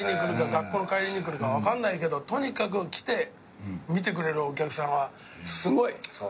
学校の帰りに来るか分かんないけどとにかく来て見てくれるお客さんはすごい。